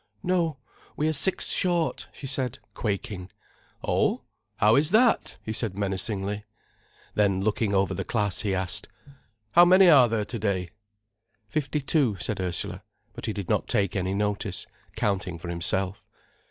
"No, we are six short," she said, quaking. "Oh, how is that?" he said, menacingly. Then, looking over the class, he asked: "How many are there here to day?" "Fifty two," said Ursula, but he did not take any notice, counting for himself.